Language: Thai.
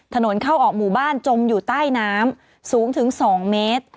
ถนนเข้าออกหมู่บ้านจมอยู่ใต้น้ำสูงถึง๒เมตร